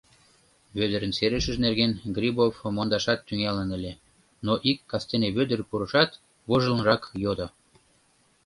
Вӧдырын серышыж нерген Грибов мондашат тӱҥалын ыле, но ик кастене Вӧдыр пурышат, вожылынрак йодо: